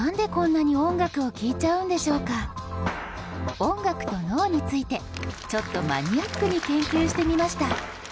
音楽と脳についてちょっとマニアックに研究してみました。